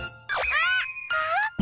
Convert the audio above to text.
あっ！